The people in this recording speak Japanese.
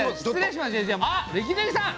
あっレキデリさん！